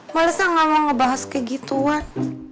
malesan nggak mau ngebahas kegituan